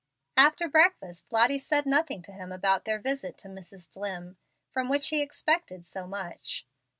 After breakfast Lottie said nothing to him about their visit to Mrs. Dlimn, from which he expected so much.